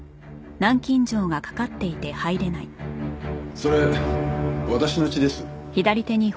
それ私の血です。